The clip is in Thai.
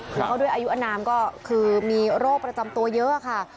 แล้วก็ด้วยอายุอนามก็คือมีโรคประจำตัวเยอะค่ะ